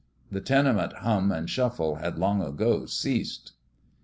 The tenement hum and shuffle had long ago ceased.